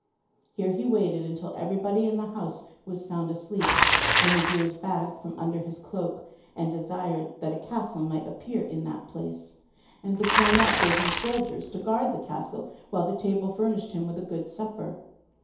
Here he waited until everybody in the house was sound asleep, when he drew his bag from under his cloak, and desired that a castle might appear in that place; and the cornet gave him soldiers to guard the castle, while the table furnished him with a good supper.